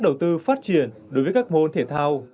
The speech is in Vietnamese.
đầu tư phát triển đối với các môn thể thao